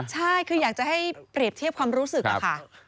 ใช่คืออยากจะให้เปรียบเทียบความรู้สึกอะค่ะ